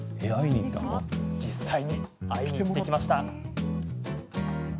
実際に会いに行ってきました。